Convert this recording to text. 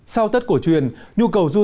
sau tất cổ truyền nhu cầu dư dụng